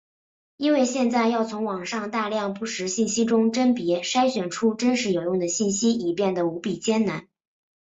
因为现在要从网上大量不实信息中甄别筛选出真实有用的信息已变的无比艰难。